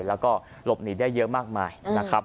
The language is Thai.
แล้วก็หลบหนีได้เยอะมากมายนะครับ